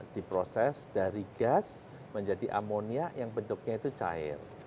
di proses dari gas menjadi ammonia yang bentuknya itu cair